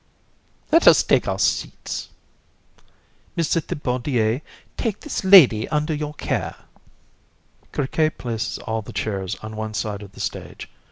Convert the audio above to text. COUN. Let us take our seats. (Showing JULIA.) Mr. Thibaudier, take this lady under your care. CRIQUET _places all the chairs on one side of the stage.